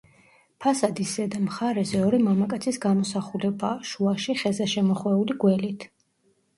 ფასადის ზედა მხარეზე ორი მამაკაცის გამოსახულებაა შუაში ხეზე შემოხვეული გველით.